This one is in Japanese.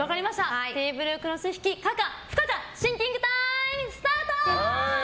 テーブルクロス引き可か不可かシンキングタイムスタート！